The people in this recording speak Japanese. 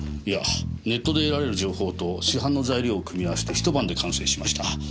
いやネットで得られる情報と市販の材料を組み合わせて一晩で完成しました。